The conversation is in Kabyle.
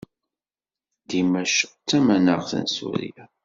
Dimecq d tamanaɣt n Surya.